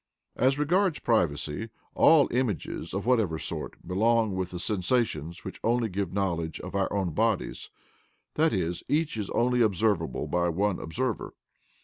As regards privacy, all images, of whatever sort, belong with the sensations which only give knowledge of our own bodies, i.e. each is only observable by one observer.